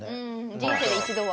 人生で一度は？